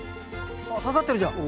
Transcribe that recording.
あっささってるじゃん。